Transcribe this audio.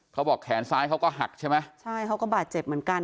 เขาบอกแขนซ้ายเขาก็หักใช่ไหมใช่เขาก็บาดเจ็บเหมือนกัน